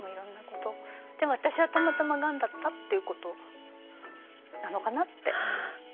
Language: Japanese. で私はたまたまがんだったっていうことなのかなって。